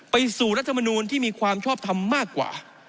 ไปสู่รัฐมนูลที่มีความชอบทำมากกว่า